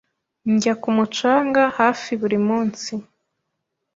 Njya ku mucanga hafi buri munsi.